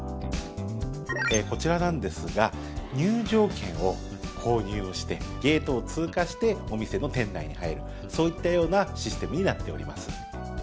こちらなんですが入場券を購入してゲートを通過してお店の店内に入るそういったようなシステムになっております。